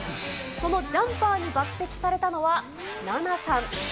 そのジャンパーに抜てきされたのは、ナナさん。